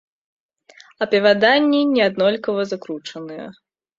Апавяданні не аднолькава закручаныя.